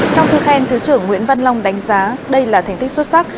trong thư khen thứ trưởng nguyễn văn long đánh giá đây là thành tích xuất sắc